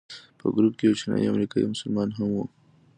په ګروپ کې یو چینایي امریکایي مسلمان هم و.